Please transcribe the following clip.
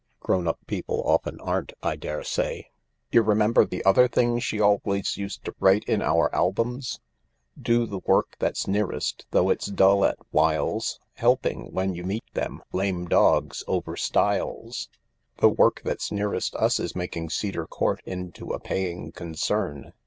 Grown up people often aren't, I daresay. You THE LARK 169 remember the other thing she always used to write in our albums :' Do the work that's nearest Though it's dull at whiles — Helping, when you meet them, Lame dogs over stiles.' The work that's nearest us is making Cedar Court into a paying concern.